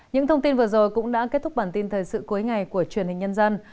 những thông tin vừa rồi cũng đã kết thúc bản tin thời sự cuối ngày của truyền hình nhân dân